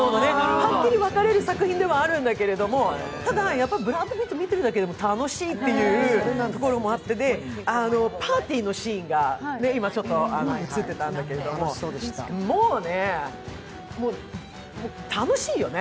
はっきり分かれる作品ではあるんだけれども、ただブラッド・ピット見てるだけでも楽しいというところもあってパーティーのシーンが今ちょっと映ってたけども、もうね、楽しいよね。